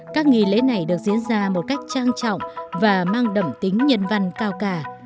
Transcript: các nghi lễ này được diễn ra một cách trang trọng và mang đậm tính nhân văn cao cả